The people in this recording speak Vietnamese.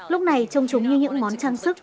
lúc này trông chúng như những món trang sức